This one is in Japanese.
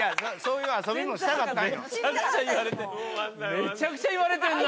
めちゃくちゃ言われてるな！